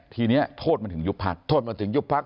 ทีนี้โทษมันถึงยุบพักโทษมันถึงยุบพัก